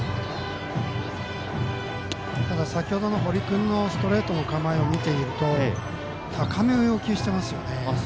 先ほどの堀君のストレートの構えを見ていると高めを要求していますよね。